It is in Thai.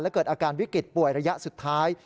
และเกิดอาการวิกฤตป่วยระยะสุดท้าย